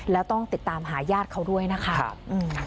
แล้วต้องติดตามหาญาติเขาด้วยนะครับ